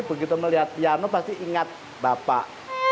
begitu melihat piano pasti ingat bapak